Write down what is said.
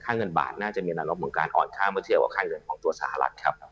เงินบาทน่าจะมีแนวลบของการอ่อนค่าเมื่อเทียบกับค่าเงินของตัวสหรัฐครับ